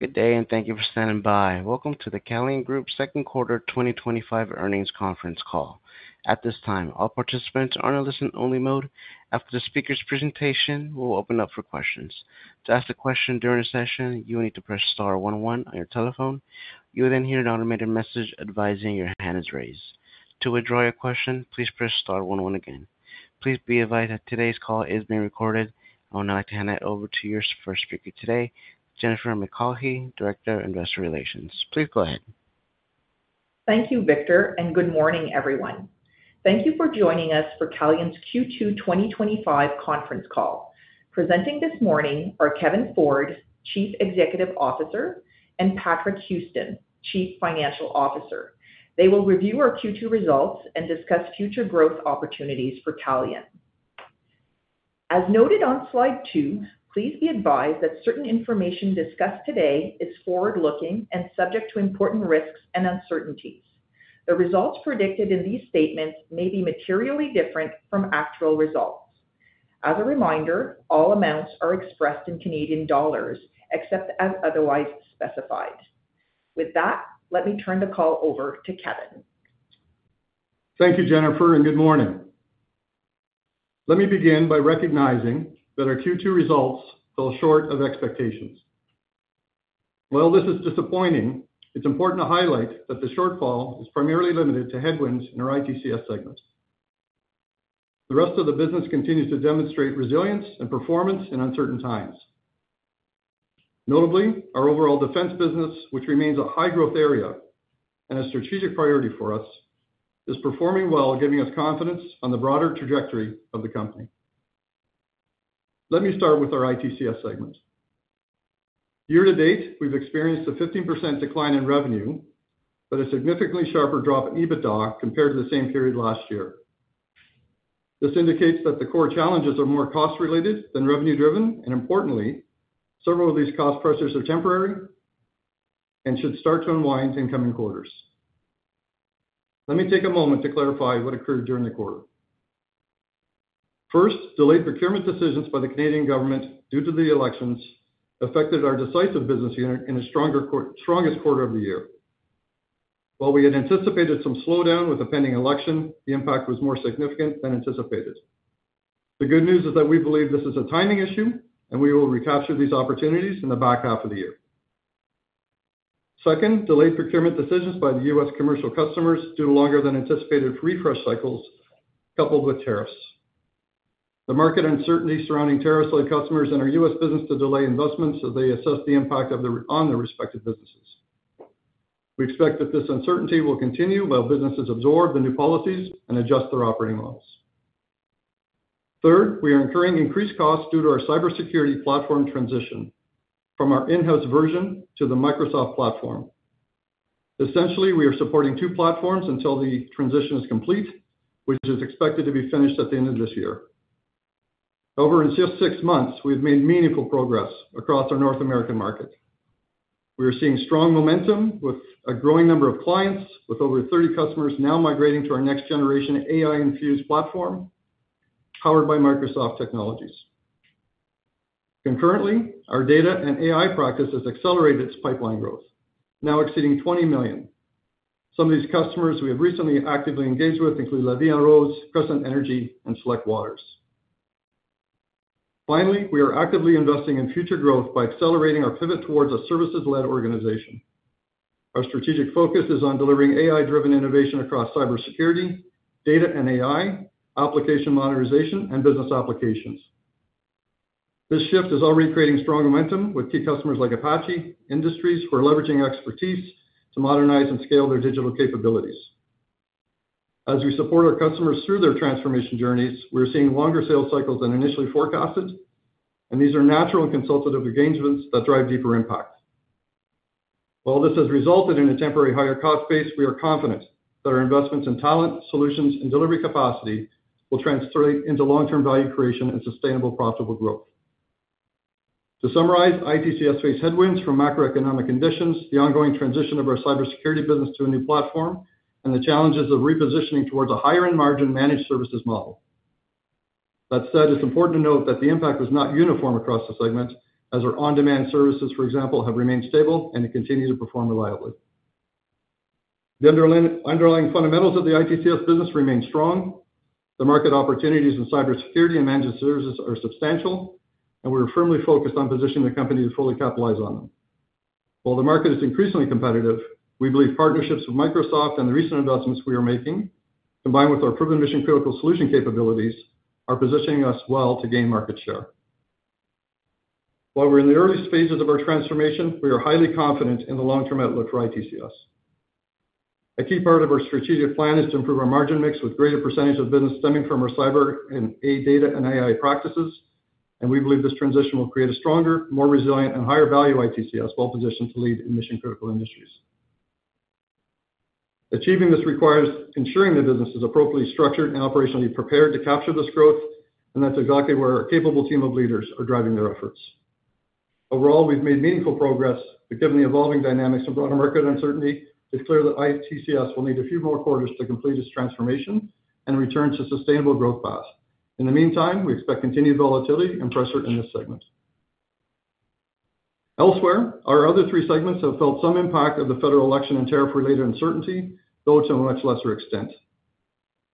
Good day, and thank you for standing by. Welcome to the Calian Group Second Quarter 2025 Earnings Conference Call. At this time, all participants are in a listen-only mode. After the speaker's presentation, we'll open up for questions. To ask a question during the session, you will need to press star one-one on your telephone. You will then hear an automated message advising your hand is raised. To withdraw your question, please press star one-one again. Please be advised that today's call is being recorded. I would now like to hand it over to your first speaker today, Jennifer McCaughey, Director of Investor Relations. Please go ahead. Thank you, Victor, and good morning, everyone. Thank you for joining us for Calian's Q2 2025 Conference Call. Presenting this morning are Kevin Ford, Chief Executive Officer, and Patrick Houston, Chief Financial Officer. They will review our Q2 results and discuss future growth opportunities for Calian. As noted on slide two, please be advised that certain information discussed today is forward-looking and subject to important risks and uncertainties. The results predicted in these statements may be materially different from actual results. As a reminder, all amounts are expressed in CAD except as otherwise specified. With that, let me turn the call over to Kevin. Thank you, Jennifer, and good morning. Let me begin by recognizing that our Q2 results fell short of expectations. While this is disappointing, it's important to highlight that the shortfall is primarily limited to headwinds in our ITCS segment. The rest of the business continues to demonstrate resilience and performance in uncertain times. Notably, our overall defense business, which remains a high-growth area and a strategic priority for us, is performing well, giving us confidence on the broader trajectory of the company. Let me start with our ITCS segment. Year-to-date, we've experienced a 15% decline in revenue, but a significantly sharper drop in EBITDA compared to the same period last year. This indicates that the core challenges are more cost-related than revenue-driven, and importantly, several of these cost pressures are temporary and should start to unwind in coming quarters. Let me take a moment to clarify what occurred during the quarter. First, delayed procurement decisions by the Canadian government due to the elections affected our decisive business unit in the strongest quarter of the year. While we had anticipated some slowdown with the pending election, the impact was more significant than anticipated. The good news is that we believe this is a timing issue, and we will recapture these opportunities in the back half of the year. Second, delayed procurement decisions by the U.S. commercial customers due to longer-than-anticipated refresh cycles coupled with tariffs. The market uncertainty surrounding tariffs led customers in our U.S. business to delay investments as they assess the impact on their respective businesses. We expect that this uncertainty will continue while businesses absorb the new policies and adjust their operating models. Third, we are incurring increased costs due to our cybersecurity platform transition from our in-house version to the Microsoft platform. Essentially, we are supporting two platforms until the transition is complete, which is expected to be finished at the end of this year. Over just six months, we've made meaningful progress across our North American market. We are seeing strong momentum with a growing number of clients, with over 30 customers now migrating to our next-generation AI-infused platform powered by Microsoft technologies. Concurrently, our data and AI practice has accelerated its pipeline growth, now exceeding 20 million. Some of these customers we have recently actively engaged with include Levian Rose, Crescent Energy, and Select Waters. Finally, we are actively investing in future growth by accelerating our pivot towards a services-led organization. Our strategic focus is on delivering AI-driven innovation across cybersecurity, data and AI, application modernization, and business applications. This shift is already creating strong momentum with key customers like Apache Industries, who are leveraging expertise to modernize and scale their digital capabilities. As we support our customers through their transformation journeys, we are seeing longer sales cycles than initially forecasted, and these are natural and consultative arrangements that drive deeper impact. While this has resulted in a temporary higher cost base, we are confident that our investments in talent, solutions, and delivery capacity will translate into long-term value creation and sustainable profitable growth. To summarize, ITCS faced headwinds from macroeconomic conditions, the ongoing transition of our cybersecurity business to a new platform, and the challenges of repositioning towards a higher-end margin managed services model. That said, it's important to note that the impact was not uniform across the segment, as our on-demand services, for example, have remained stable and continue to perform reliably. The underlying fundamentals of the ITCS business remain strong. The market opportunities in cybersecurity and managed services are substantial, and we are firmly focused on positioning the company to fully capitalize on them. While the market is increasingly competitive, we believe partnerships with Microsoft and the recent investments we are making, combined with our proven mission-critical solution capabilities, are positioning us well to gain market share. While we're in the early stages of our transformation, we are highly confident in the long-term outlook for ITCS. A key part of our strategic plan is to improve our margin mix with greater percentage of business stemming from our cyber and data and AI practices, and we believe this transition will create a stronger, more resilient, and higher-value ITCS well-positioned to lead in mission-critical industries. Achieving this requires ensuring the business is appropriately structured and operationally prepared to capture this growth, and that's exactly where our capable team of leaders are driving their efforts. Overall, we've made meaningful progress, but given the evolving dynamics of broader market uncertainty, it's clear that ITCS will need a few more quarters to complete its transformation and return to a sustainable growth path. In the meantime, we expect continued volatility and pressure in this segment. Elsewhere, our other three segments have felt some impact of the federal election and tariff-related uncertainty, though to a much lesser extent.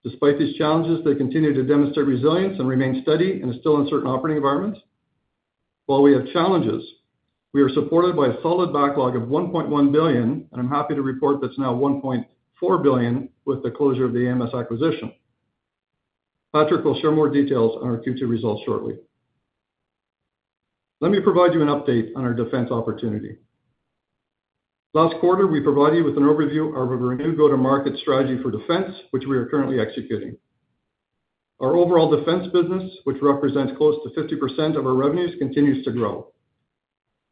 Despite these challenges, they continue to demonstrate resilience and remain steady in a still uncertain operating environment. While we have challenges, we are supported by a solid backlog of 1.1 billion, and I'm happy to report that's now 1.4 billion with the closure of the AMS acquisition. Patrick will share more details on our Q2 results shortly. Let me provide you an update on our defense opportunity. Last quarter, we provided you with an overview of our renewed go-to-market strategy for defense, which we are currently executing. Our overall defense business, which represents close to 50% of our revenues, continues to grow.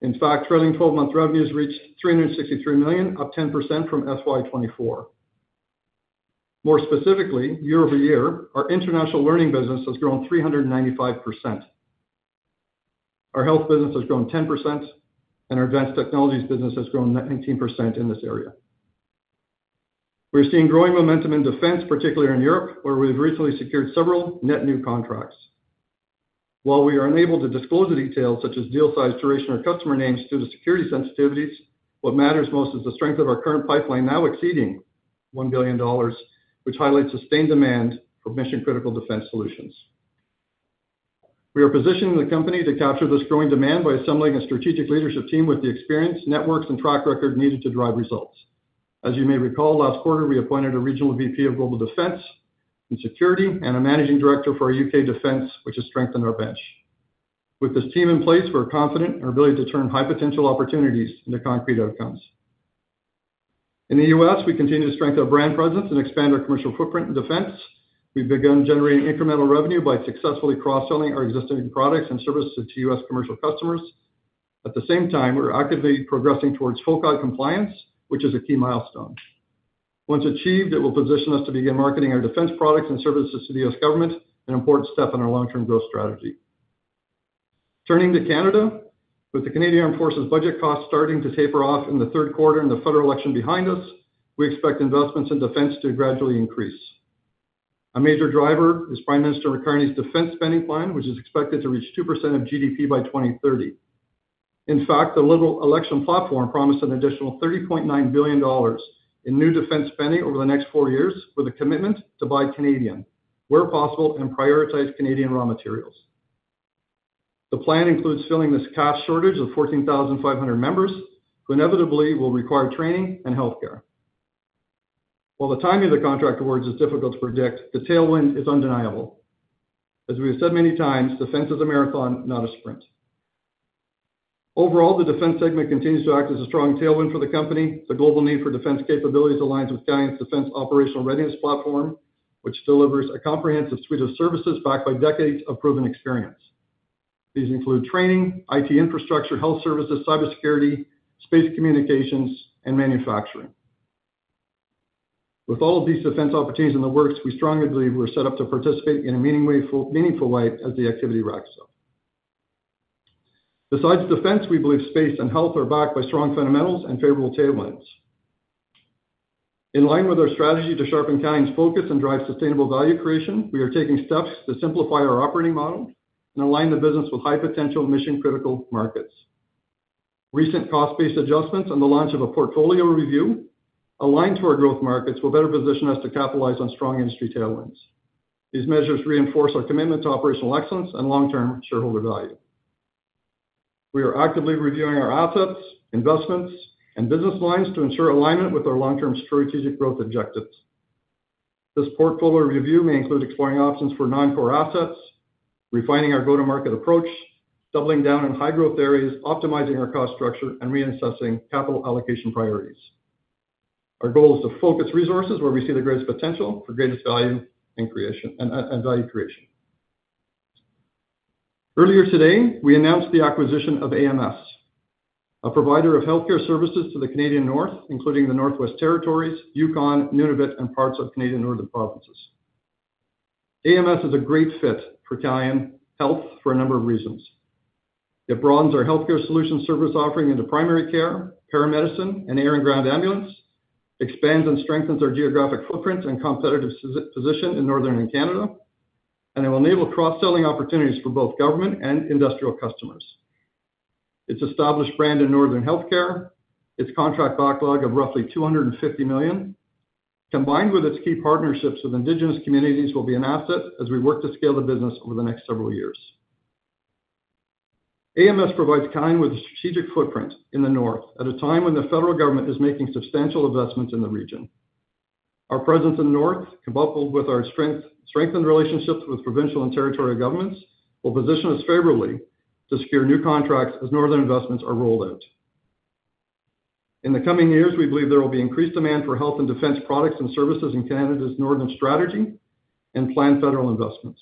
In fact, trailing 12-month revenues reached CAD 363 million, up 10% from FY2024. More specifically, year over year, our international learning business has grown 395%. Our health business has grown 10%, and our advanced technologies business has grown 19% in this area. We are seeing growing momentum in defense, particularly in Europe, where we have recently secured several net new contracts. While we are unable to disclose the details such as deal size, duration, or customer names due to security sensitivities, what matters most is the strength of our current pipeline now exceeding $1 billion, which highlights sustained demand for mission-critical defense solutions. We are positioning the company to capture this growing demand by assembling a strategic leadership team with the experience, networks, and track record needed to drive results. As you may recall, last quarter, we appointed a Regional VP of Global Defense and Security and a Managing Director for our U.K. Defense, which has strengthened our bench. With this team in place, we are confident in our ability to turn high-potential opportunities into concrete outcomes. In the U.S., we continue to strengthen our brand presence and expand our commercial footprint in defense. We've begun generating incremental revenue by successfully cross-selling our existing products and services to U.S. commercial customers. At the same time, we're actively progressing towards Fulcide compliance, which is a key milestone. Once achieved, it will position us to begin marketing our defense products and services to the U.S. government, an important step in our long-term growth strategy. Turning to Canada, with the Canadian Armed Forces budget costs starting to taper off in the third quarter and the federal election behind us, we expect investments in defense to gradually increase. A major driver is Prime Minister Trudeau's defense spending plan, which is expected to reach 2% of GDP by 2030. In fact, the Liberal Election Platform promised an additional 30.9 billion dollars in new defense spending over the next four years with a commitment to buy Canadian, where possible, and prioritize Canadian raw materials. The plan includes filling this cash shortage of 14,500 members, who inevitably will require training and healthcare. While the timing of the contract awards is difficult to predict, the tailwind is undeniable. As we have said many times, defense is a marathon, not a sprint. Overall, the defense segment continues to act as a strong tailwind for the company. The global need for defense capabilities aligns with Calian's Defense Operational Readiness Platform, which delivers a comprehensive suite of services backed by decades of proven experience. These include training, IT infrastructure, health services, cybersecurity, space communications, and manufacturing. With all of these defense opportunities in the works, we strongly believe we're set up to participate in a meaningful way as the activity racks up. Besides defense, we believe space and health are backed by strong fundamentals and favorable tailwinds. In line with our strategy to sharpen Calian's focus and drive sustainable value creation, we are taking steps to simplify our operating model and align the business with high-potential mission-critical markets. Recent cost-based adjustments and the launch of a portfolio review aligned to our growth markets will better position us to capitalize on strong industry tailwinds. These measures reinforce our commitment to operational excellence and long-term shareholder value. We are actively reviewing our assets, investments, and business lines to ensure alignment with our long-term strategic growth objectives. This portfolio review may include exploring options for non-core assets, refining our go-to-market approach, doubling down on high-growth areas, optimizing our cost structure, and reassessing capital allocation priorities. Our goal is to focus resources where we see the greatest potential for greatest value and value creation. Earlier today, we announced the acquisition of AMS, a provider of healthcare services to the Canadian North, including the Northwest Territories, Yukon, Nunavut, and parts of Canadian northern provinces. AMS is a great fit for Calian Health for a number of reasons. It broadens our healthcare solution service offering into primary care, paramedicine, and air and ground ambulance, expands and strengthens our geographic footprint and competitive position in northern Canada, and it will enable cross-selling opportunities for both government and industrial customers. Its established brand in northern healthcare, its contract backlog of roughly 250 million, combined with its key partnerships with Indigenous communities, will be an asset as we work to scale the business over the next several years. AMS provides Calian with a strategic footprint in the north at a time when the federal government is making substantial investments in the region. Our presence in the north, coupled with our strengthened relationships with provincial and territorial governments, will position us favorably to secure new contracts as northern investments are rolled out. In the coming years, we believe there will be increased demand for health and defense products and services in Canada's northern strategy and planned federal investments.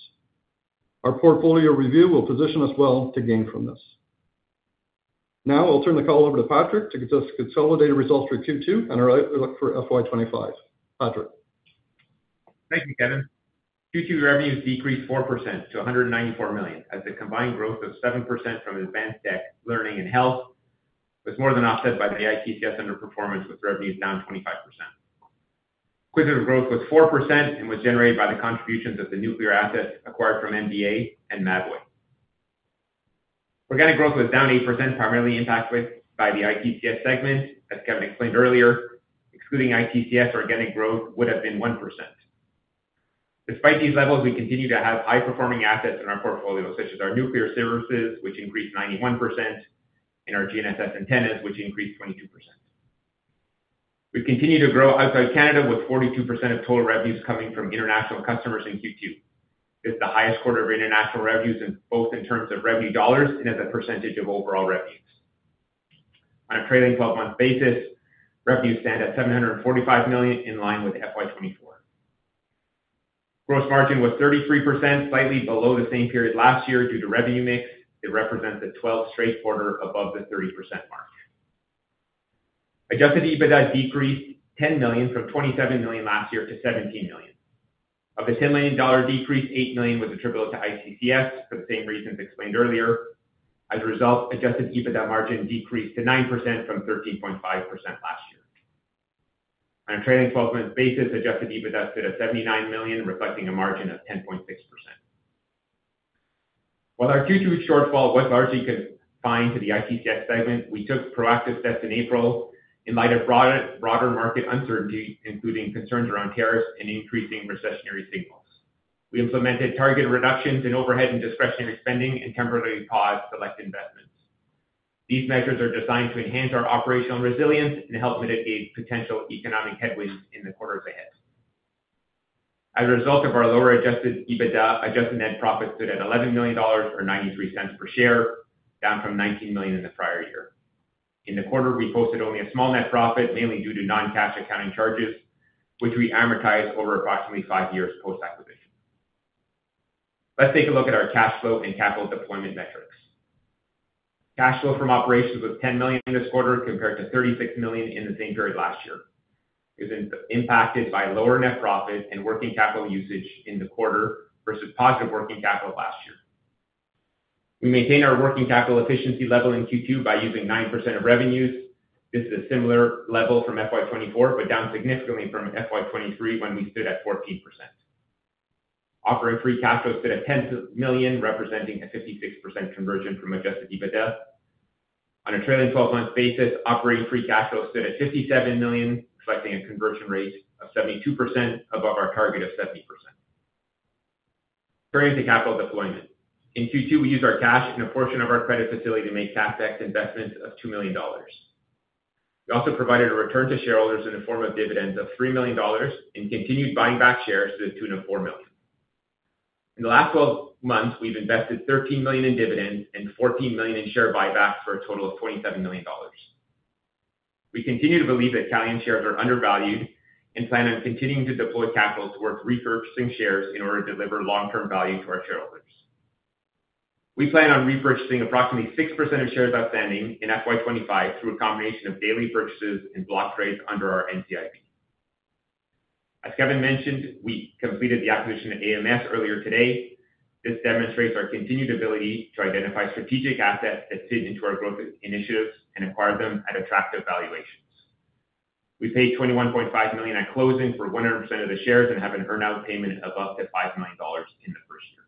Our portfolio review will position us well to gain from this. Now, I'll turn the call over to Patrick to give us consolidated results for Q2 and our outlook for FY2025. Patrick. Thank you, Kevin. Q2 revenues decreased 4% to 194 million as the combined growth of 7% from advanced tech, learning, and health was more than offset by the ITCS underperformance with revenues down 25%. Equivalent growth was 4% and was generated by the contributions of the nuclear asset acquired from NBA and Mavui. Organic growth was down 8%, primarily impacted by the ITCS segment. As Kevin explained earlier, excluding ITCS, organic growth would have been 1%. Despite these levels, we continue to have high-performing assets in our portfolio, such as our nuclear services, which increased 91%, and our GNSS antennas, which increased 22%. We continue to grow outside Canada with 42% of total revenues coming from international customers in Q2. It is the highest quarter of international revenues, both in terms of revenue dollars and as a percentage of overall revenues. On a trailing 12-month basis, revenues stand at 745 million in line with FY2024. Gross margin was 33%, slightly below the same period last year due to revenue mix. It represents a 12th straight quarter above the 30% mark. Adjusted EBITDA decreased 10 million from 27 million last year to 17 million. Of the $10 million decrease, $8 million was attributable to ITCS for the same reasons explained earlier. As a result, adjusted EBITDA margin decreased to 9% from 13.5% last year. On a trailing 12-month basis, adjusted EBITDA stood at $79 million, reflecting a margin of 10.6%. While our Q2 shortfall was largely confined to the ITCS segment, we took proactive steps in April in light of broader market uncertainty, including concerns around tariffs and increasing recessionary signals. We implemented targeted reductions in overhead and discretionary spending and temporarily paused select investments. These measures are designed to enhance our operational resilience and help mitigate potential economic headwinds in the quarters ahead. As a result of our lower adjusted EBITDA, adjusted net profit stood at $11 million or $0.93 per share, down from $19 million in the prior year. In the quarter, we posted only a small net profit, mainly due to non-cash accounting charges, which we amortized over approximately five years post-acquisition. Let's take a look at our cash flow and capital deployment metrics. Cash flow from operations was 10 million this quarter compared to 36 million in the same period last year. It was impacted by lower net profit and working capital usage in the quarter versus positive working capital last year. We maintained our working capital efficiency level in Q2 by using 9% of revenues. This is a similar level from FY24, but down significantly from FY23 when we stood at 14%. Operating free cash flow stood at 10 million, representing a 56% conversion from adjusted EBITDA. On a trailing 12-month basis, operating free cash flow stood at 57 million, reflecting a conversion rate of 72% above our target of 70%. Turning to capital deployment. In Q2, we used our cash and a portion of our credit facility to make cash-back investments of 2 million dollars. We also provided a return to shareholders in the form of dividends of 3 million dollars and continued buying back shares to the tune of 4 million. In the last 12 months, we've invested 13 million in dividends and 14 million in share buybacks for a total of 27 million dollars. We continue to believe that Calian shares are undervalued and plan on continuing to deploy capital towards repurchasing shares in order to deliver long-term value to our shareholders. We plan on repurchasing approximately 6% of shares outstanding in FY25 through a combination of daily purchases and block trades under our NCIB. As Kevin mentioned, we completed the acquisition of AMS earlier today. This demonstrates our continued ability to identify strategic assets that fit into our growth initiatives and acquire them at attractive valuations. We paid 21.5 million at closing for 100% of the shares and have an earn-out payment of up to 5 million dollars in the first year.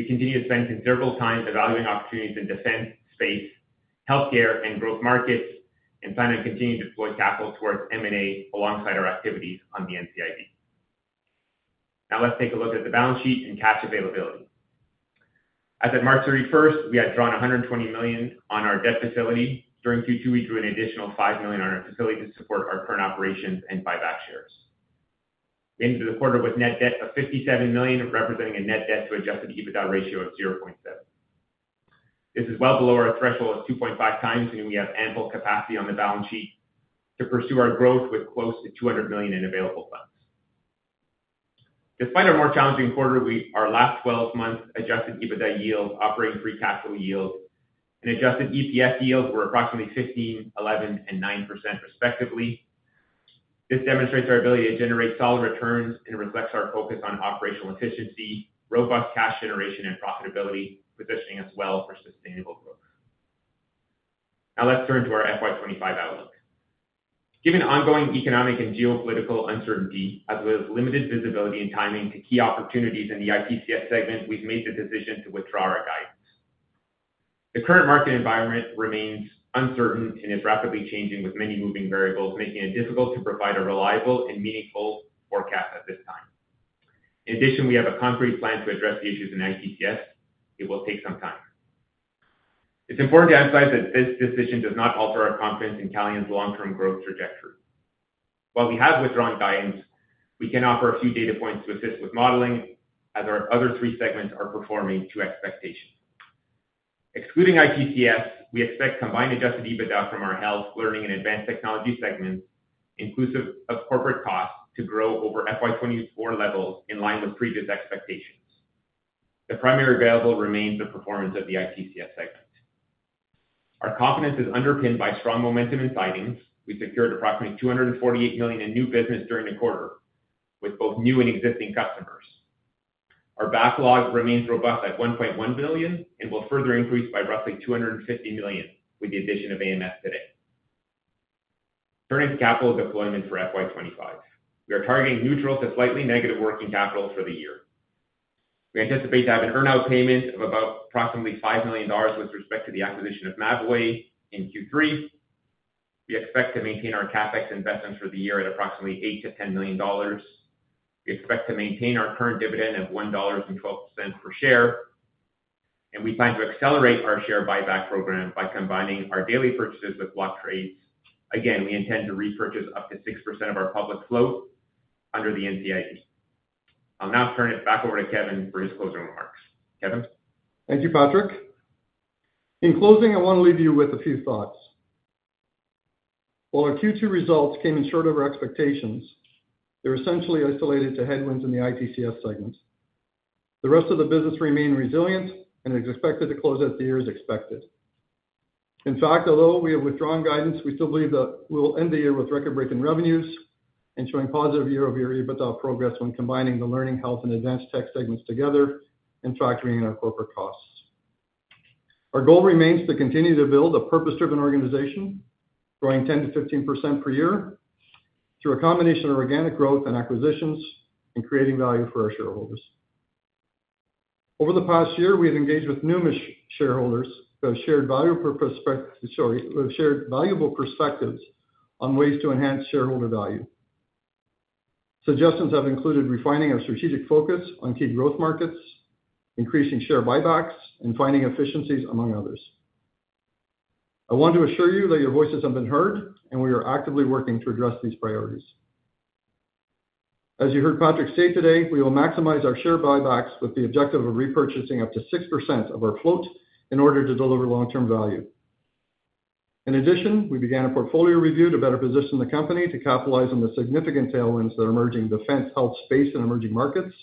We continue to spend considerable time evaluating opportunities in defense, space, healthcare, and growth markets, and plan on continuing to deploy capital towards M&A alongside our activities on the NCIB. Now, let's take a look at the balance sheet and cash availability. As of March 31st, we had drawn 120 million on our debt facility. During Q2, we drew an additional 5 million on our facility to support our current operations and buy back shares. The end of the quarter was net debt of 57 million, representing a net debt-to-adjusted EBITDA ratio of 0.7. This is well below our threshold of 2.5 times, meaning we have ample capacity on the balance sheet to pursue our growth with close to 200 million in available funds. Despite our more challenging quarter, our last 12-month adjusted EBITDA yields, operating free capital yields, and adjusted EPS yields were approximately 15%, 11%, and 9% respectively. This demonstrates our ability to generate solid returns and reflects our focus on operational efficiency, robust cash generation, and profitability, positioning us well for sustainable growth. Now, let's turn to our FY2025 outlook. Given ongoing economic and geopolitical uncertainty, as well as limited visibility and timing to key opportunities in the ITCS segment, we've made the decision to withdraw our guidance. The current market environment remains uncertain and is rapidly changing with many moving variables, making it difficult to provide a reliable and meaningful forecast at this time. In addition, we have a concrete plan to address the issues in ITCS. It will take some time. It's important to emphasize that this decision does not alter our confidence in Calian's long-term growth trajectory. While we have withdrawn guidance, we can offer a few data points to assist with modeling as our other three segments are performing to expectations. Excluding ITCS, we expect combined adjusted EBITDA from our health, learning, and advanced technology segments, inclusive of corporate costs, to grow over FY2024 levels in line with previous expectations. The primary variable remains the performance of the ITCS segment. Our confidence is underpinned by strong momentum in signings. We secured approximately 248 million in new business during the quarter with both new and existing customers. Our backlog remains robust at 1.1 billion and will further increase by roughly 250 million with the addition of AMS today. Turning to capital deployment for FY 2025, we are targeting neutral to slightly negative working capital for the year. We anticipate to have an earn-out payment of about approximately 5 million dollars with respect to the acquisition of Mavui in Q3. We expect to maintain our CapEx investments for the year at approximately 8 million-10 million dollars. We expect to maintain our current dividend of 1.12 dollars per share. We plan to accelerate our share buyback program by combining our daily purchases with block trades. Again, we intend to repurchase up to 6% of our public float under the NCIB. I'll now turn it back over to Kevin for his closing remarks. Kevin. Thank you, Patrick. In closing, I want to leave you with a few thoughts. While our Q2 results came in short of our expectations, they were essentially isolated to headwinds in the ITCS segment. The rest of the business remained resilient and is expected to close out the year as expected. In fact, although we have withdrawn guidance, we still believe that we will end the year with record-breaking revenues and showing positive year-over-year EBITDA progress when combining the learning, health, and advanced tech segments together and factoring in our corporate costs. Our goal remains to continue to build a purpose-driven organization, growing 10-15% per year through a combination of organic growth and acquisitions and creating value for our shareholders. Over the past year, we have engaged with numerous shareholders who have shared valuable perspectives on ways to enhance shareholder value. Suggestions have included refining our strategic focus on key growth markets, increasing share buybacks, and finding efficiencies, among others. I want to assure you that your voices have been heard, and we are actively working to address these priorities. As you heard Patrick say today, we will maximize our share buybacks with the objective of repurchasing up to 6% of our float in order to deliver long-term value. In addition, we began a portfolio review to better position the company to capitalize on the significant tailwinds that are emerging in defense, health, space, and emerging markets.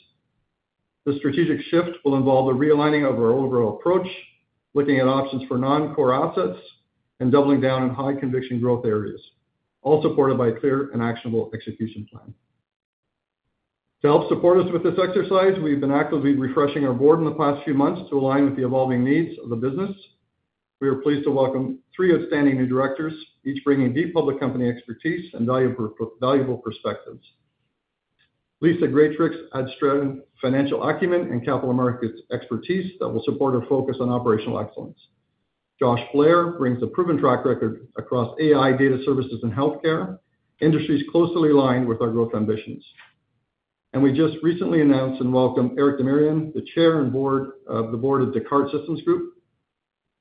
The strategic shift will involve the realigning of our overall approach, looking at options for non-core assets and doubling down on high-conviction growth areas, all supported by a clear and actionable execution plan. To help support us with this exercise, we have been actively refreshing our board in the past few months to align with the evolving needs of the business. We are pleased to welcome three outstanding new directors, each bringing deep public company expertise and valuable perspectives. Lisa Greitrich adds strong financial acumen and capital markets expertise that will support our focus on operational excellence. Josh Blair brings a proven track record across AI, data services, and healthcare, industries closely aligned with our growth ambitions. We just recently announced and welcomed Eric Demirian, the chair and board of the board of Descartes Systems Group,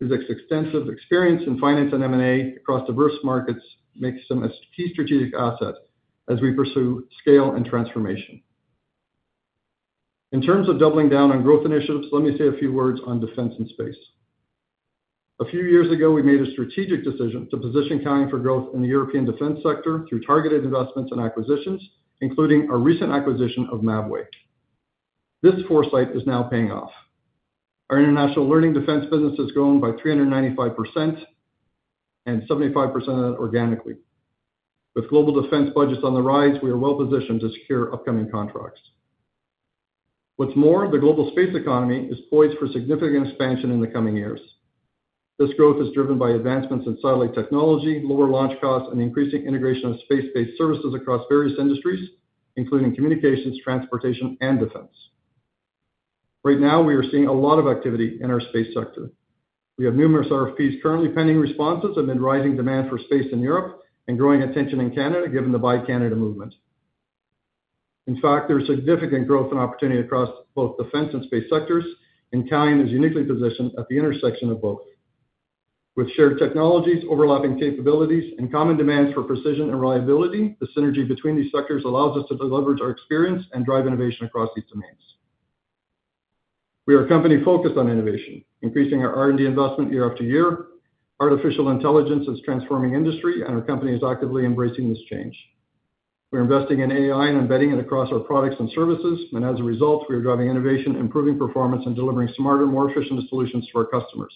whose extensive experience in finance and M&A across diverse markets makes him a key strategic asset as we pursue scale and transformation. In terms of doubling down on growth initiatives, let me say a few words on defense and space. A few years ago, we made a strategic decision to position Calian for growth in the European defense sector through targeted investments and acquisitions, including our recent acquisition of Mavui. This foresight is now paying off. Our international learning defense business has grown by 395% and 75% organically. With global defense budgets on the rise, we are well positioned to secure upcoming contracts. What's more, the global space economy is poised for significant expansion in the coming years. This growth is driven by advancements in satellite technology, lower launch costs, and increasing integration of space-based services across various industries, including communications, transportation, and defense. Right now, we are seeing a lot of activity in our space sector. We have numerous RFPs currently pending responses amid rising demand for space in Europe and growing attention in Canada given the Buy Canada movement. In fact, there is significant growth and opportunity across both defense and space sectors, and Calian is uniquely positioned at the intersection of both. With shared technologies, overlapping capabilities, and common demands for precision and reliability, the synergy between these sectors allows us to leverage our experience and drive innovation across these domains. We are a company focused on innovation, increasing our R&D investment year after year. Artificial intelligence is transforming industry, and our company is actively embracing this change. We're investing in AI and embedding it across our products and services, and as a result, we are driving innovation, improving performance, and delivering smarter, more efficient solutions for our customers.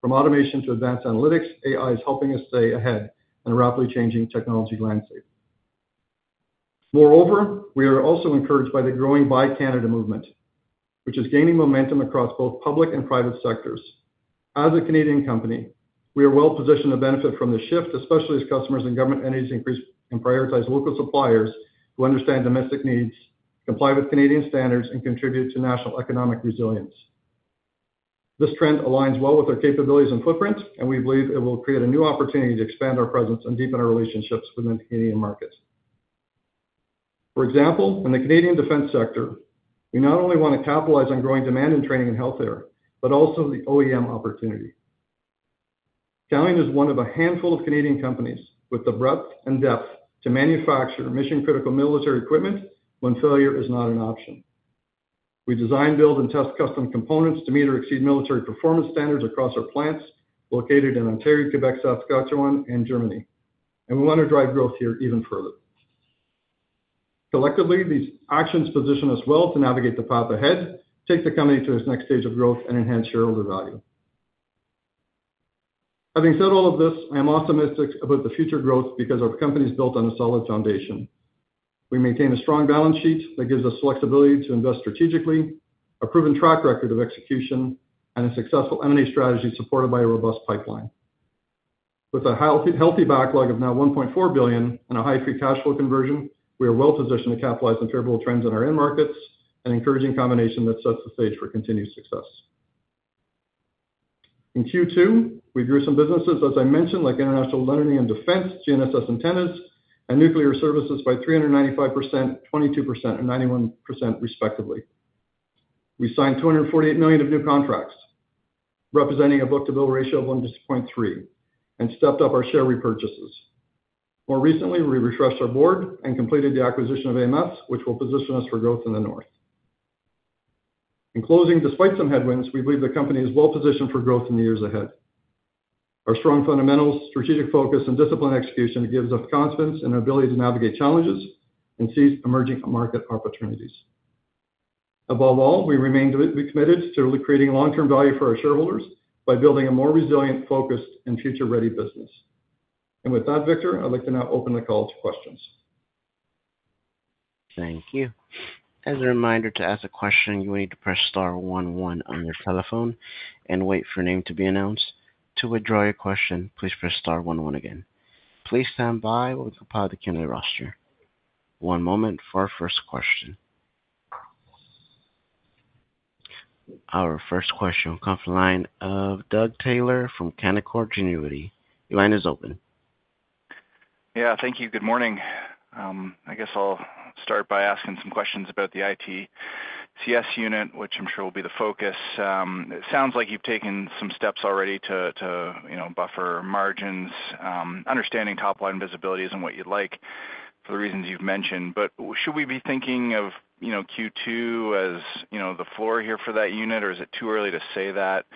From automation to advanced analytics, AI is helping us stay ahead in a rapidly changing technology landscape. Moreover, we are also encouraged by the growing Buy Canada movement, which is gaining momentum across both public and private sectors. As a Canadian company, we are well positioned to benefit from the shift, especially as customers and government entities increase and prioritize local suppliers who understand domestic needs, comply with Canadian standards, and contribute to national economic resilience. This trend aligns well with our capabilities and footprint, and we believe it will create a new opportunity to expand our presence and deepen our relationships within the Canadian markets. For example, in the Canadian defense sector, we not only want to capitalize on growing demand and training in healthcare, but also the OEM opportunity. Calian is one of a handful of Canadian companies with the breadth and depth to manufacture mission-critical military equipment when failure is not an option. We design, build, and test custom components to meet or exceed military performance standards across our plants located in Ontario, Quebec, Saskatchewan, and Germany, and we want to drive growth here even further. Collectively, these actions position us well to navigate the path ahead, take the company to its next stage of growth, and enhance shareholder value. Having said all of this, I am optimistic about the future growth because our company is built on a solid foundation. We maintain a strong balance sheet that gives us flexibility to invest strategically, a proven track record of execution, and a successful M&A strategy supported by a robust pipeline. With a healthy backlog of now 1.4 billion and a high free cash flow conversion, we are well positioned to capitalize on favorable trends in our end markets and encouraging combination that sets the stage for continued success. In Q2, we grew some businesses, as I mentioned, like international learning and defense, GNSS antennas, and nuclear services by 395%, 22%, and 91% respectively. We signed 248 million of new contracts, representing a book-to-bill ratio of 1.3, and stepped up our share repurchases. More recently, we refreshed our board and completed the acquisition of AMS, which will position us for growth in the north. In closing, despite some headwinds, we believe the company is well positioned for growth in the years ahead. Our strong fundamentals, strategic focus, and disciplined execution give us confidence and the ability to navigate challenges and seize emerging market opportunities. Above all, we remain committed to creating long-term value for our shareholders by building a more resilient, focused, and future-ready business. Victor, I'd like to now open the call to questions. Thank you. As a reminder, to ask a question, you will need to press star one-one on your telephone and wait for your name to be announced. To withdraw your question, please press star one-one again. Please stand by while we compile the candidate roster. One moment for our first question. Our first question will come from the line of Doug Taylor from Canaccord Genuity. Your line is open. Yeah, thank you. Good morning. I guess I'll start by asking some questions about the ITCS unit, which I'm sure will be the focus. It sounds like you've taken some steps already to buffer margins, understanding top-line visibilities and what you'd like for the reasons you've mentioned. Should we be thinking of Q2 as the floor here for that unit, or is it too early to say that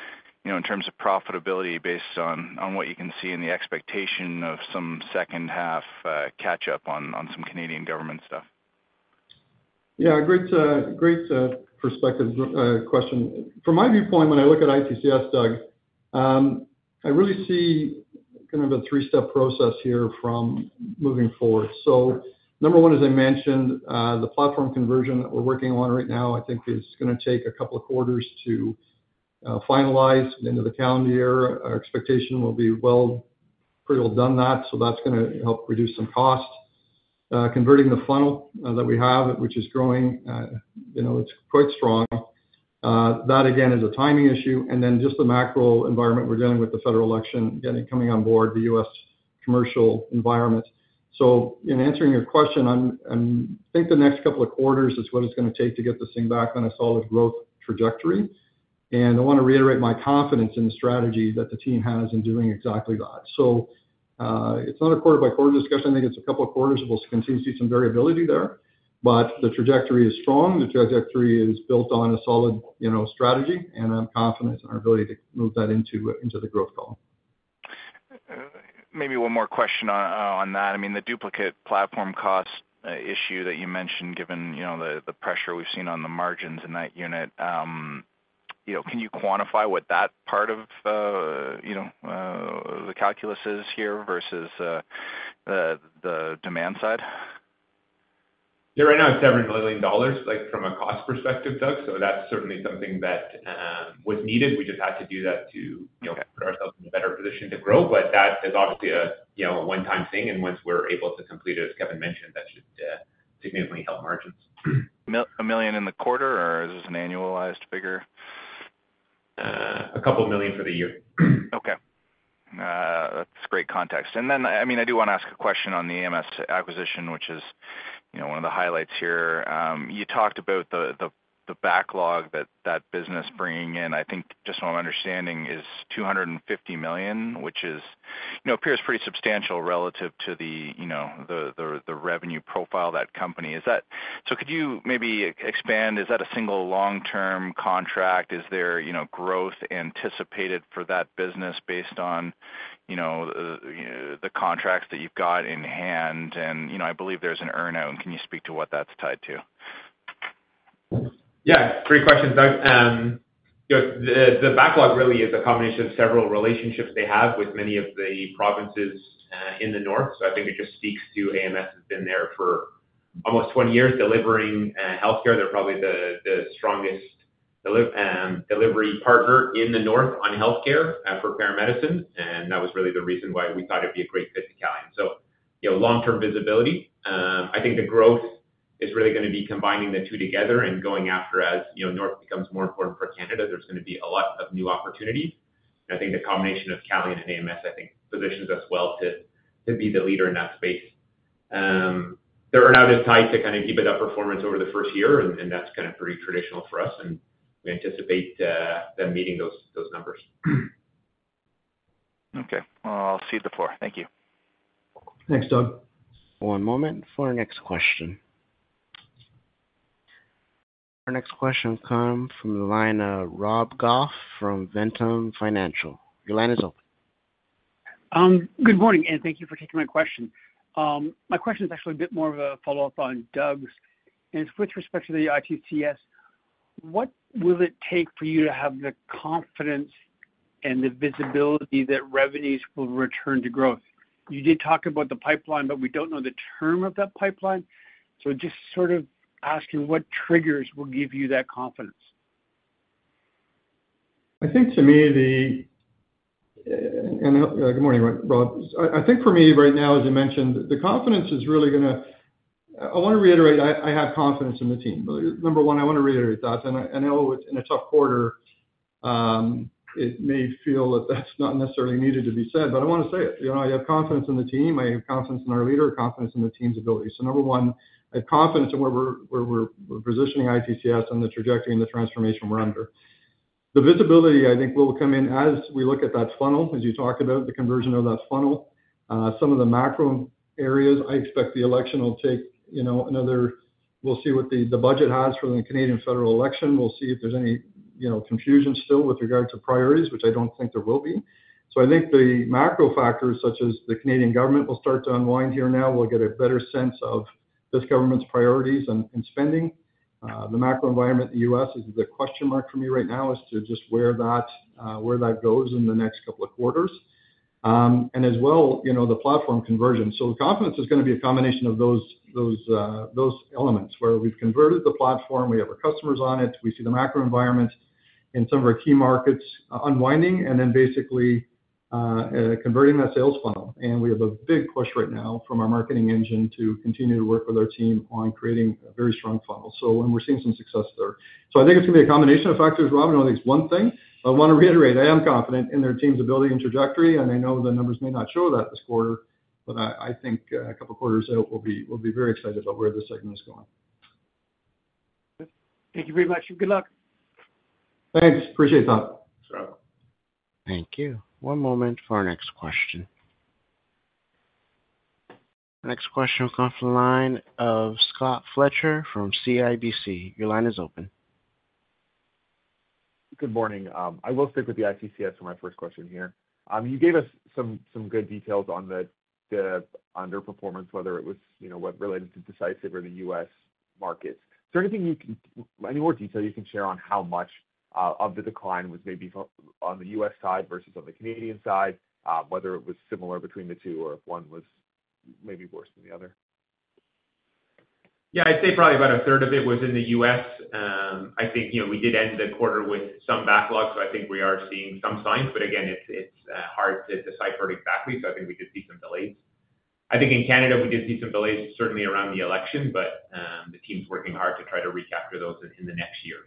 in terms of profitability based on what you can see in the expectation of some second-half catch-up on some Canadian government stuff? Yeah, great perspective question. From my viewpoint, when I look at ITCS, Doug, I really see kind of a three-step process here from moving forward. Number one, as I mentioned, the platform conversion that we're working on right now, I think, is going to take a couple of quarters to finalize into the calendar year. Our expectation will be pretty well done that, so that's going to help reduce some cost. Converting the funnel that we have, which is growing, it's quite strong. That, again, is a timing issue. Just the macro environment we're dealing with, the federal election, coming on board, the U.S. commercial environment. In answering your question, I think the next couple of quarters is what it's going to take to get this thing back on a solid growth trajectory. I want to reiterate my confidence in the strategy that the team has in doing exactly that. It's not a quarter-by-quarter discussion. I think it's a couple of quarters we'll continue to see some variability there, but the trajectory is strong. The trajectory is built on a solid strategy, and I'm confident in our ability to move that into the growth column. Maybe one more question on that. I mean, the duplicate platform cost issue that you mentioned, given the pressure we've seen on the margins in that unit, can you quantify what that part of the calculus is here versus the demand side? Yeah, right now, it's 7 million dollars from a cost perspective, Doug, so that's certainly something that was needed. We just had to do that to put ourselves in a better position to grow, but that is obviously a one-time thing, and once we're able to complete it, as Kevin mentioned, that should significantly help margins. A million in the quarter, or is this an annualized figure? A couple of million for the year. Okay. That's great context. I do want to ask a question on the AMS acquisition, which is one of the highlights here. You talked about the backlog that that business is bringing in. I think, just from my understanding, is 250 million, which appears pretty substantial relative to the revenue profile of that company. Could you maybe expand? Is that a single long-term contract? Is there growth anticipated for that business based on the contracts that you've got in hand? I believe there's an earnout. Can you speak to what that's tied to? Yeah, great question, Doug. The backlog really is a combination of several relationships they have with many of the provinces in the north. I think it just speaks to AMS has been there for almost 20 years delivering healthcare. They're probably the strongest delivery partner in the north on healthcare for paramedicine, and that was really the reason why we thought it'd be a great fit to Calian. Long-term visibility. I think the growth is really going to be combining the two together and going after, as north becomes more important for Canada, there's going to be a lot of new opportunities. I think the combination of Calian and AMS, I think, positions us well to be the leader in that space. The earnout is tied to kind of EBITDA performance over the first year, and that's kind of pretty traditional for us, and we anticipate them meeting those numbers. Okay. I'll cede the floor. Thank you. Thanks, Doug. One moment for our next question. Our next question will come from the line of Rob Goff from Ventum Financial. Your line is open. Good morning, and thank you for taking my question. My question is actually a bit more of a follow-up on Doug's. It is with respect to the ITCS. What will it take for you to have the confidence and the visibility that revenues will return to growth? You did talk about the pipeline, but we do not know the term of that pipeline. Just sort of asking what triggers will give you that confidence? I think, to me, the—good morning, Rob. I think, for me, right now, as you mentioned, the confidence is really going to—I want to reiterate I have confidence in the team. Number one, I want to reiterate that. I know in a tough quarter, it may feel that is not necessarily needed to be said, but I want to say it. I have confidence in the team. I have confidence in our leader, confidence in the team's ability. Number one, I have confidence in where we're positioning ITCS and the trajectory and the transformation we're under. The visibility, I think, will come in as we look at that funnel, as you talked about, the conversion of that funnel. Some of the macro areas, I expect the election will take another—we'll see what the budget has for the Canadian federal election. We'll see if there's any confusion still with regard to priorities, which I don't think there will be. I think the macro factors, such as the Canadian government, will start to unwind here now. We'll get a better sense of this government's priorities and spending. The macro environment in the U.S. is the question mark for me right now as to just where that goes in the next couple of quarters. As well, the platform conversion. The confidence is going to be a combination of those elements where we have converted the platform, we have our customers on it, we see the macro environment in some of our key markets unwinding, and then basically converting that sales funnel. We have a big push right now from our marketing engine to continue to work with our team on creating a very strong funnel. We are seeing some success there. I think it is going to be a combination of factors. Rob, I know that is one thing. I want to reiterate I am confident in their team's ability and trajectory, and I know the numbers may not show that this quarter, but I think a couple of quarters out, we will be very excited about where this segment is going. Thank you very much. Good luck. Thanks. Appreciate that. Thank you. One moment for our next question. Next question will come from the line of Scott Fletcher from CIBC. Your line is open. Good morning. I will stick with the ITCS for my first question here. You gave us some good details on the underperformance, whether it was related to Decisive or the U.S. markets. Is there anything you can—any more detail you can share on how much of the decline was maybe on the U.S. side versus on the Canadian side, whether it was similar between the two or if one was maybe worse than the other? Yeah, I'd say probably about a third of it was in the U.S. I think we did end the quarter with some backlog, so I think we are seeing some signs. Again, it's hard to decipher exactly, so I think we did see some delays. I think in Canada, we did see some delays, certainly around the election, but the team's working hard to try to recapture those in the next year.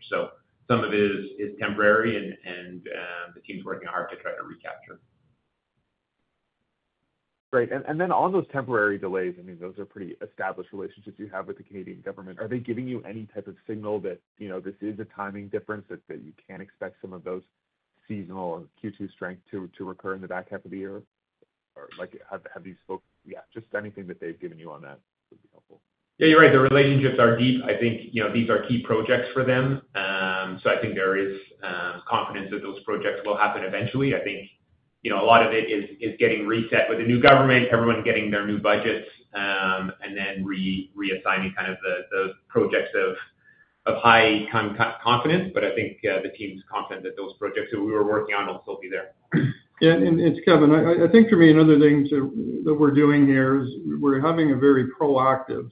Some of it is temporary, and the team's working hard to try to recapture. Great. On those temporary delays, I mean, those are pretty established relationships you have with the Canadian government. Are they giving you any type of signal that this is a timing difference, that you can expect some of those seasonal Q2 strength to recur in the back half of the year? Have these folks—yeah, just anything that they've given you on that would be helpful. Yeah, you're right. The relationships are deep. I think these are key projects for them. I think there is confidence that those projects will happen eventually. I think a lot of it is getting reset with the new government, everyone getting their new budgets, and then reassigning kind of those projects of high confidence. I think the team's confident that those projects that we were working on will still be there. Yeah, and it's Kevin. I think, for me, another thing that we're doing here is we're having a very proactive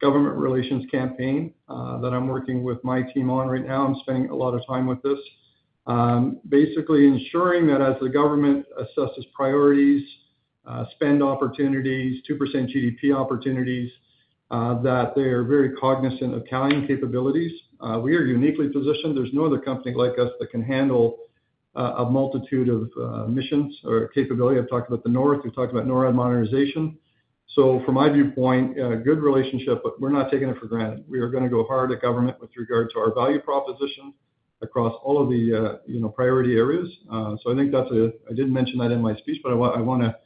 government relations campaign that I'm working with my team on right now. I'm spending a lot of time with this, basically ensuring that as the government assesses priorities, spend opportunities, 2% GDP opportunities, that they are very cognizant of Calian capabilities. We are uniquely positioned. There's no other company like us that can handle a multitude of missions or capability. I've talked about the north. We've talked about NORAD modernization. From my viewpoint, good relationship, but we're not taking it for granted. We are going to go hard at government with regard to our value proposition across all of the priority areas. I think that is a—I did not mention that in my speech, but I want to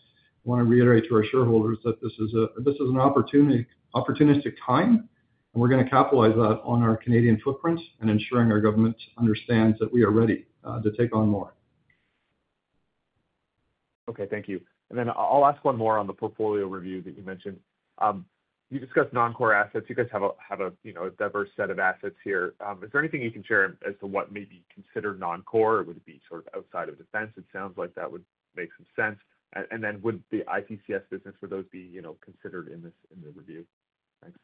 reiterate to our shareholders that this is an opportunistic time, and we are going to capitalize on our Canadian footprint and ensuring our government understands that we are ready to take on more. Okay. Thank you. I will ask one more on the portfolio review that you mentioned. You discussed non-core assets. You guys have a diverse set of assets here. Is there anything you can share as to what may be considered non-core? Would it be sort of outside of defense? It sounds like that would make some sense. Would the ITCS business or those be considered in the review? Thanks.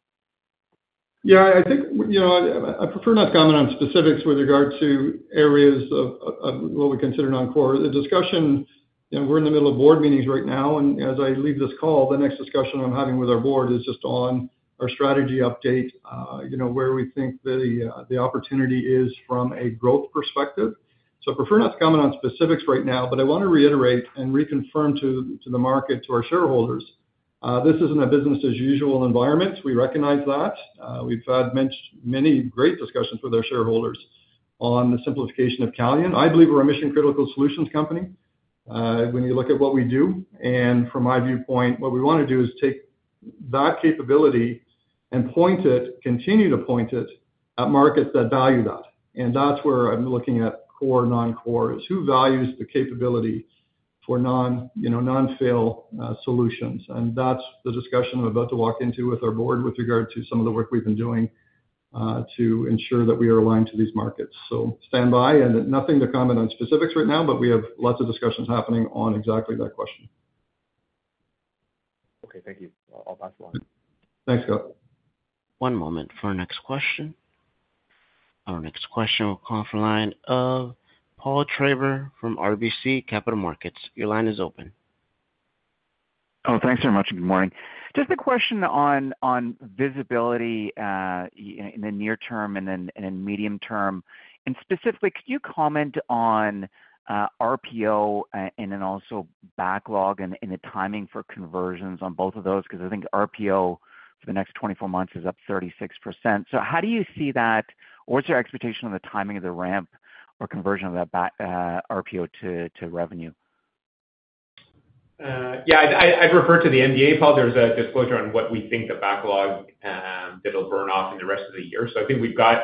Yeah, I think I prefer not to comment on specifics with regard to areas of what we consider non-core. The discussion—we're in the middle of board meetings right now, and as I leave this call, the next discussion I'm having with our board is just on our strategy update, where we think the opportunity is from a growth perspective. I prefer not to comment on specifics right now, but I want to reiterate and reconfirm to the market, to our shareholders, this isn't a business-as-usual environment. We recognize that. We've had many great discussions with our shareholders on the simplification of Calian. I believe we're a mission-critical solutions company when you look at what we do. From my viewpoint, what we want to do is take that capability and continue to point it at markets that value that. That is where I'm looking at core/non-core, is who values the capability for non-fail solutions. That is the discussion I'm about to walk into with our board with regard to some of the work we've been doing to ensure that we are aligned to these markets. Stand by. Nothing to comment on specifics right now, but we have lots of discussions happening on exactly that question. Okay. Thank you. I'll pass along. Thanks, Scott. One moment for our next question. Our next question will come from the line of Paul Treiber from RBC Capital Markets. Your line is open. Oh, thanks very much. Good morning. Just a question on visibility in the near term and then medium term. Specifically, could you comment on RPO and then also backlog and the timing for conversions on both of those? Because I think RPO for the next 24 months is up 36%. How do you see that, or what's your expectation on the timing of the ramp or conversion of that RPO to revenue? Yeah, I'd refer to the NDA file. There's a disclosure on what we think the backlog that'll burn off in the rest of the year. I think we've got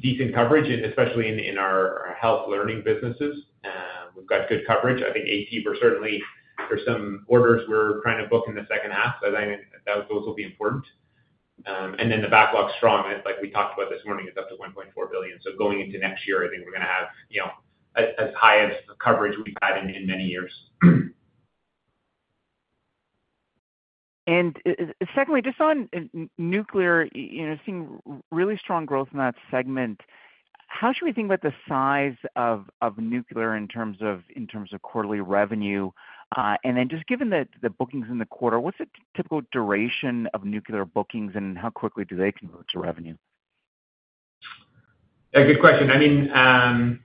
decent coverage, especially in our health learning businesses. We've got good coverage. I think AT, certainly, there's some orders we're trying to book in the second half. I think those will be important. The backlog's strong. Like we talked about this morning, it's up to 1.4 billion. Going into next year, I think we're going to have as high a coverage as we've had in many years. Secondly, just on nuclear, seeing really strong growth in that segment. How should we think about the size of nuclear in terms of quarterly revenue? And then just given the bookings in the quarter, what's the typical duration of nuclear bookings, and how quickly do they convert to revenue? Yeah, good question. I mean,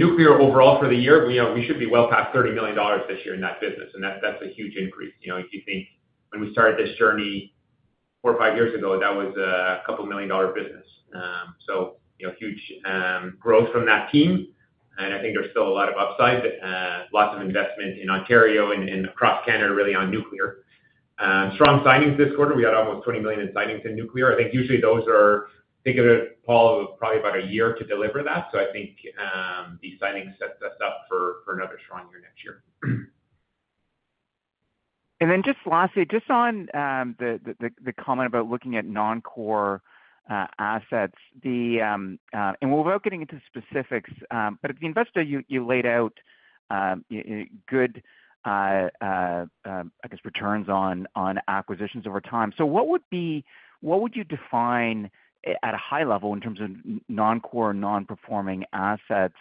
nuclear overall for the year, we should be well past 30 million dollars this year in that business. And that's a huge increase. If you think when we started this journey four or five years ago, that was a couple of million dollar business. So huge growth from that team. I think there's still a lot of upside, lots of investment in Ontario and across Canada, really, on nuclear. Strong signings this quarter. We had almost 20 million in signings in nuclear. I think usually those are—think of it, Paul, probably about a year to deliver that. I think these signings set us up for another strong year next year. Lastly, just on the comment about looking at non-core assets, and we're about getting into specifics, but at the investor, you laid out good, I guess, returns on acquisitions over time. What would you define at a high level in terms of non-core/non-performing assets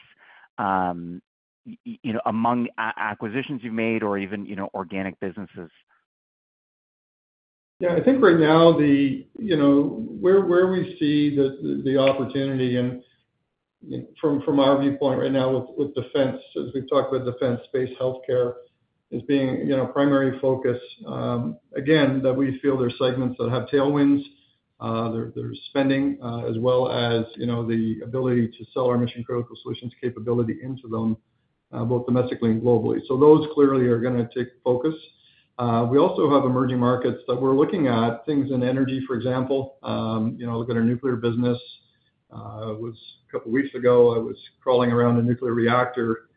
among acquisitions you've made or even organic businesses? I think right now where we see the opportunity, and from our viewpoint right now with defense, as we've talked about defense, space, healthcare as being a primary focus, again, that we feel there are segments that have tailwinds. There's spending as well as the ability to sell our mission-critical solutions capability into them, both domestically and globally. Those clearly are going to take focus. We also have emerging markets that we're looking at, things in energy, for example. Look at our nuclear business. It was a couple of weeks ago I was crawling around a nuclear reactor,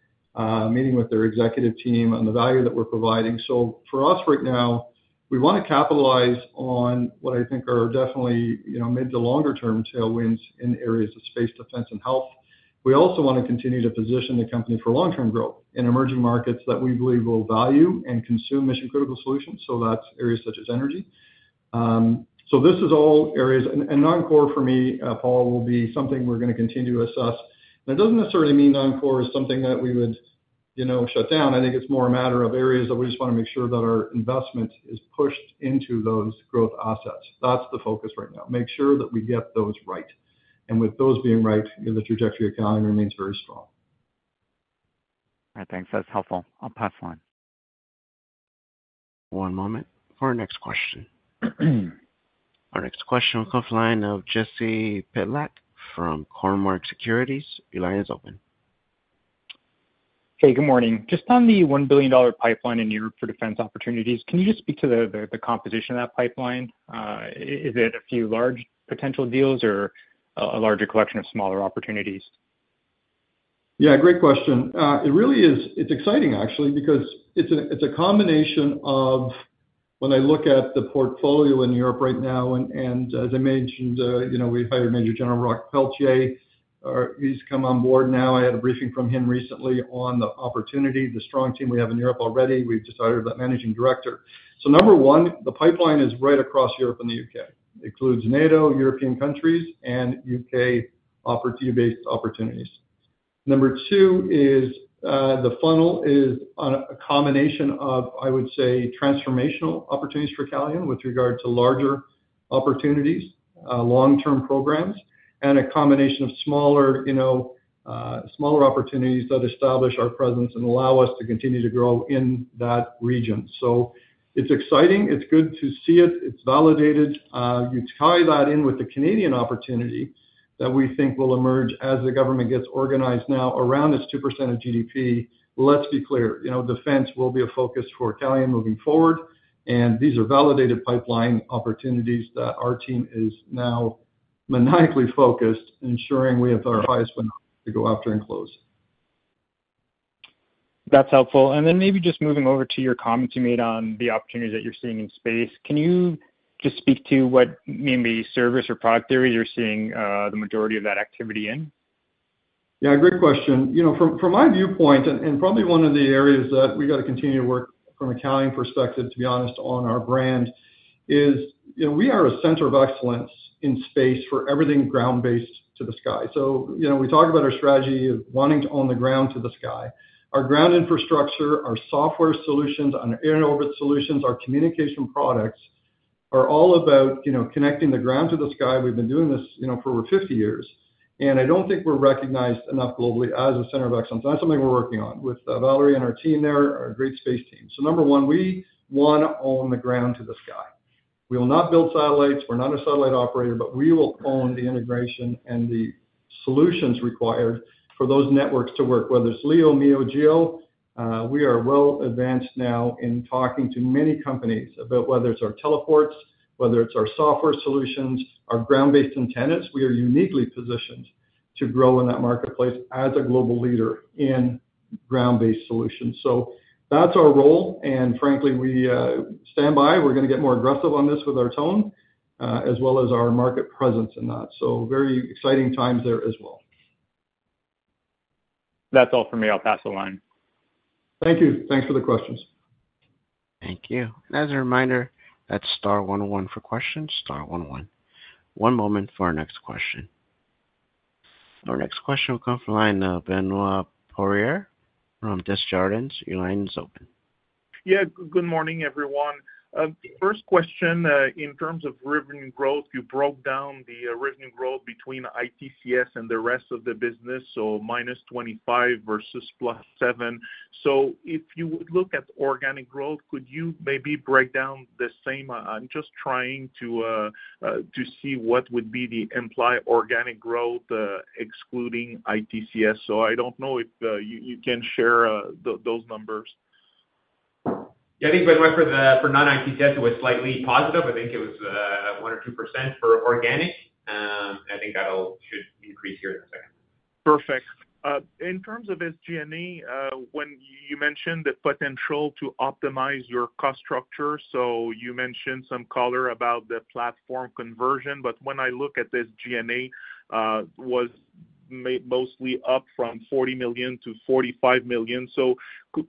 meeting with their executive team on the value that we're providing. For us right now, we want to capitalize on what I think are definitely mid to longer-term tailwinds in areas of space, defense, and health. We also want to continue to position the company for long-term growth in emerging markets that we believe will value and consume mission-critical solutions. That's areas such as energy. This is all areas, and non-core for me, Paul, will be something we're going to continue to assess. It doesn't necessarily mean non-core is something that we would shut down. I think it's more a matter of areas that we just want to make sure that our investment is pushed into those growth assets. That's the focus right now. Make sure that we get those right. With those being right, the trajectory of Calian remains very strong. All right. Thanks. That's helpful. I'll pass on. One moment for our next question. Our next question will come from the line of Jesse Pytlak from Cormark Securities. Your line is open. Hey, good morning. Just on the $1 billion pipeline in Europe for defense opportunities, can you just speak to the composition of that pipeline? Is it a few large potential deals or a larger collection of smaller opportunities? Yeah, great question. It's exciting, actually, because it's a combination of when I look at the portfolio in Europe right now. As I mentioned, we hired Major General Rock Peltier. He's come on board now. I had a briefing from him recently on the opportunity. The strong team we have in Europe already, we've decided about managing director. Number one, the pipeline is right across Europe and the U.K. It includes NATO, European countries, and U.K. opportunity-based opportunities. Number two is the funnel is a combination of, I would say, transformational opportunities for Calian with regard to larger opportunities, long-term programs, and a combination of smaller opportunities that establish our presence and allow us to continue to grow in that region. It's exciting. It's good to see it. It's validated. You tie that in with the Canadian opportunity that we think will emerge as the government gets organized now around its 2% of GDP. Let's be clear. Defense will be a focus for Calian moving forward. These are validated pipeline opportunities that our team is now maniacally focused, ensuring we have our highest fund to go after and close. That's helpful. Maybe just moving over to your comments you made on the opportunities that you're seeing in space. Can you just speak to what maybe service or product areas you're seeing the majority of that activity in? Yeah, great question. From my viewpoint, and probably one of the areas that we got to continue to work from a Calian perspective, to be honest, on our brand, is we are a center of excellence in space for everything ground-based to the sky. We talk about our strategy of wanting to own the ground to the sky. Our ground infrastructure, our software solutions, our in-orbit solutions, our communication products are all about connecting the ground to the sky. We've been doing this for over 50 years. I don't think we're recognized enough globally as a center of excellence. That's something we're working on with Valerie and her team there, our great space team. Number one, we want to own the ground to the sky. We will not build satellites. We're not a satellite operator, but we will own the integration and the solutions required for those networks to work. Whether it's LEO, MEO, GEO, we are well advanced now in talking to many companies about whether it's our teleports, whether it's our software solutions, our ground-based antennas. We are uniquely positioned to grow in that marketplace as a global leader in ground-based solutions. That's our role. Frankly, we stand by. We're going to get more aggressive on this with our tone as well as our market presence in that. Very exciting times there as well. That's all for me. I'll pass the line. Thank you. Thanks for the questions. Thank you. As a reminder, that's star one-one for questions. star one-one. One moment for our next question. Our next question will come from the line of Benoit Poirier from Desjardins. Your line is open. Yeah, good morning, everyone. First question, in terms of revenue growth, you broke down the revenue growth between ITCS and the rest of the business, so -25% versus +7%. If you would look at organic growth, could you maybe break down the same? I'm just trying to see what would be the implied organic growth excluding ITCS. I don't know if you can share those numbers. Yeah, I think for non-ITCS, it was slightly positive. I think it was 1% or 2% for organic. I think that should increase here in a second. Perfect. In terms of SG&A, when you mentioned the potential to optimize your cost structure, you mentioned some color about the platform conversion, but when I look at SG&A, it was mostly up from 40 million-45 million.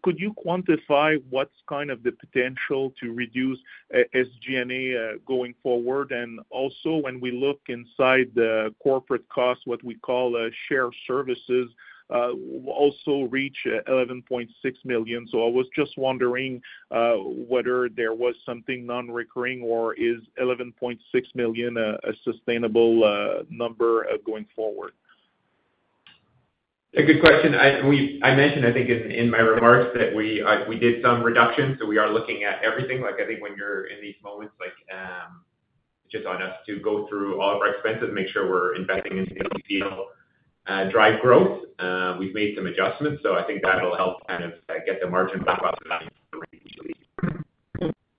Could you quantify what's kind of the potential to reduce SG&A going forward? Also, when we look inside the corporate cost, what we call shared services, we also reached 11.6 million. I was just wondering whether there was something non-recurring, or is 11.6 million a sustainable number going forward? A good question. I mentioned, I think, in my remarks that we did some reductions. We are looking at everything. I think when you're in these moments, it's just on us to go through all of our expenses, make sure we're investing in the LTCO drive growth. We've made some adjustments. I think that'll help kind of get the margin back up.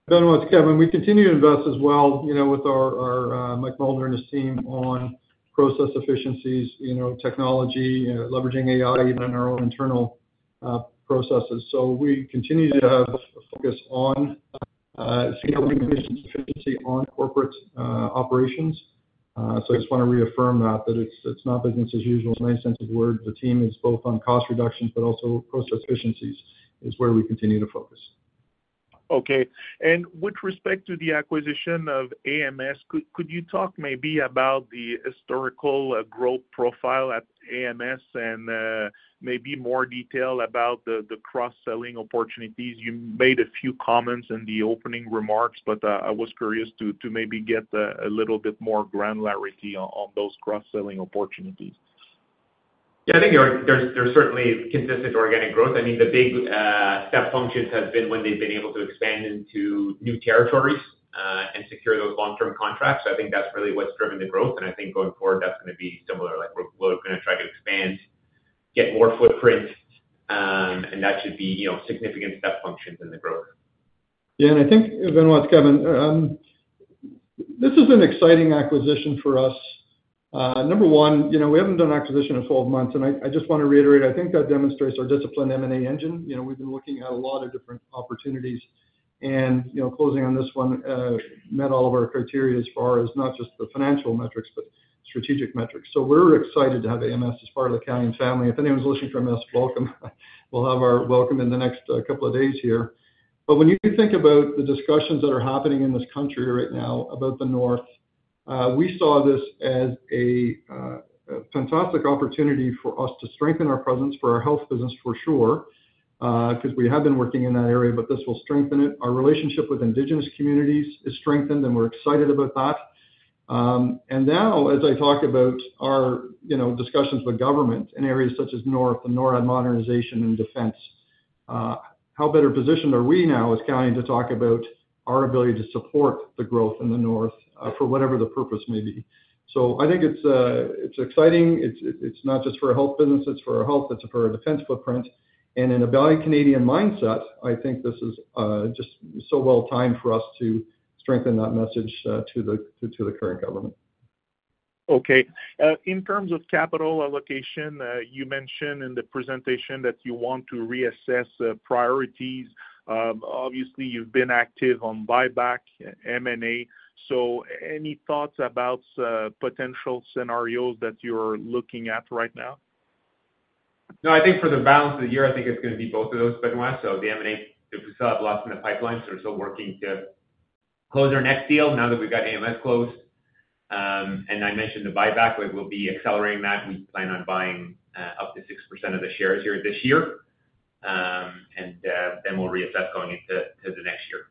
Benoit, Kevin, we continue to invest as well with our Mike Mulder and his team on process efficiencies, technology, leveraging AI in our own internal processes. We continue to have a focus on senior organization efficiency on corporate operations. I just want to reaffirm that it's not business as usual. It's a nice sense of word. The team is both on cost reductions, but also process efficiencies is where we continue to focus. Okay. With respect to the acquisition of AMS, could you talk maybe about the historical growth profile at AMS and maybe more detail about the cross-selling opportunities? You made a few comments in the opening remarks, but I was curious to maybe get a little bit more granularity on those cross-selling opportunities. Yeah, I think there's certainly consistent organic growth. I mean, the big step functions have been when they've been able to expand into new territories and secure those long-term contracts. I think that's really what's driven the growth. I think going forward, that's going to be similar. We're going to try to expand, get more footprint, and that should be significant step functions in the growth. Yeah, and I think, Benoit, it's Kevin, this is an exciting acquisition for us. Number one, we haven't done an acquisition in 12 months. I just want to reiterate, I think that demonstrates our disciplined M&A engine. We've been looking at a lot of different opportunities. Closing on this one met all of our criteria as far as not just the financial metrics, but strategic metrics. We're excited to have AMS as part of the Calian family. If anyone's listening from us, welcome. We'll have our welcome in the next couple of days here. When you think about the discussions that are happening in this country right now about the north, we saw this as a fantastic opportunity for us to strengthen our presence for our health business, for sure, because we have been working in that area, but this will strengthen it. Our relationship with Indigenous communities is strengthened, and we're excited about that. Now, as I talk about our discussions with government in areas such as north and NORAD modernization and defense, how better positioned are we now as Calian to talk about our ability to support the growth in the north for whatever the purpose may be? I think it's exciting. It's not just for a health business. It's for our health. It's for our defense footprint. In a Valley Canadian mindset, I think this is just so well timed for us to strengthen that message to the current government. Okay. In terms of capital allocation, you mentioned in the presentation that you want to reassess priorities. Obviously, you've been active on buyback M&A. Any thoughts about potential scenarios that you're looking at right now? No, I think for the balance of the year, I think it's going to be both of those, Benoit. The M&A, we still have lots in the pipeline. We're still working to close our next deal now that we've got AMS closed. I mentioned the buyback, we'll be accelerating that. We plan on buying up to 6% of the shares here this year. Then we'll reassess going into the next year.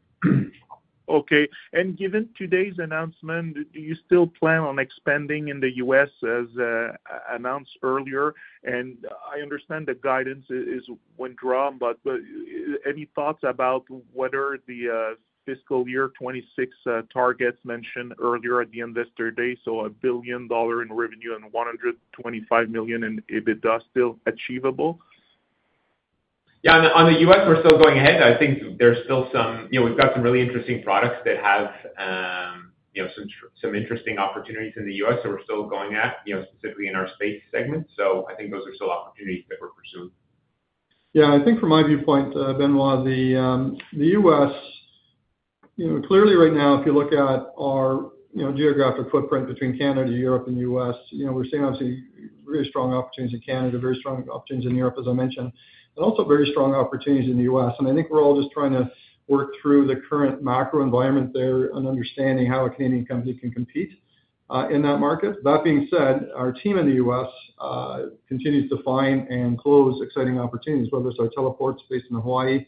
Okay. Given today's announcement, do you still plan on expanding in the U.S., as announced earlier? I understand the guidance is withdrawn, but any thoughts about whether the fiscal year 2026 targets mentioned earlier at the end of yesterday, so $1 billion in revenue and $125 million in EBITDA, are still achievable? Yeah. On the U.S., we're still going ahead. I think we've got some really interesting products that have some interesting opportunities in the U.S. We're still going at it, specifically in our space segment. I think those are still opportunities that we're pursuing. Yeah. I think from my viewpoint, Benoit, the U.S., clearly right now, if you look at our geographic footprint between Canada, Europe, and the U.S., we're seeing, obviously, very strong opportunities in Canada, very strong opportunities in Europe, as I mentioned, and also very strong opportunities in the U.S. I think we're all just trying to work through the current macro environment there and understanding how a Canadian company can compete in that market. That being said, our team in the U.S. continues to find and close exciting opportunities, whether it's our teleports based in Hawaii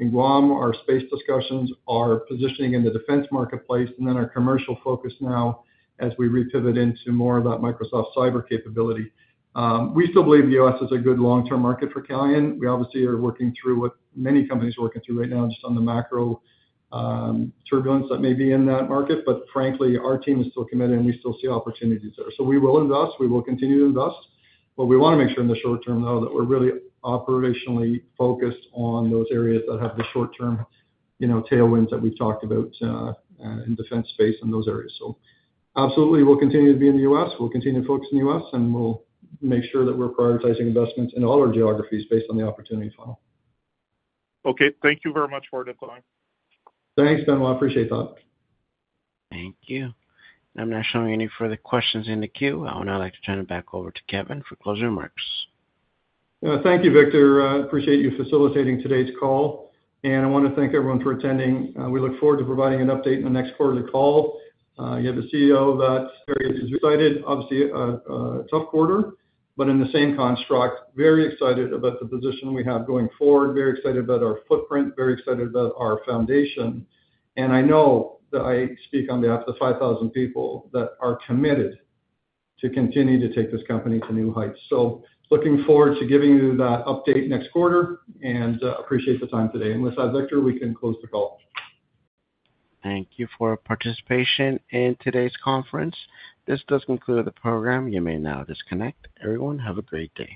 and Guam, our space discussions, our positioning in the defense marketplace, and then our commercial focus now as we repivot into more of that Microsoft cyber capability. We still believe the U.S. is a good long-term market for Calian. We obviously are working through what many companies are working through right now, just on the macro turbulence that may be in that market. Frankly, our team is still committed, and we still see opportunities there. We will invest. We will continue to invest. We want to make sure in the short term, though, that we're really operationally focused on those areas that have the short-term tailwinds that we've talked about in defense, space, in those areas. Absolutely, we'll continue to be in the U.S. We'll continue to focus in the U.S., and we'll make sure that we're prioritizing investments in all our geographies based on the opportunity funnel. Okay. Thank you very much for the time. Thanks, Benoit. I appreciate that. Thank you. I'm not showing any further questions in the queue. I would now like to turn it back over to Kevin for closing remarks. Thank you, Victor. I appreciate you facilitating today's call. I want to thank everyone for attending. We look forward to providing an update in the next quarterly call. You have the CEO of that. Areas is excited. Obviously, a tough quarter, but in the same construct, very excited about the position we have going forward, very excited about our footprint, very excited about our foundation. I know that I speak on behalf of the 5,000 people that are committed to continue to take this company to new heights. Looking forward to giving you that update next quarter and appreciate the time today. With that, Victor, we can close the call. Thank you for participating in today's conference. This does conclude the program. You may now disconnect. Everyone, have a great day.